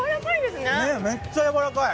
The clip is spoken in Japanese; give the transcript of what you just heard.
めっちゃやわらかい。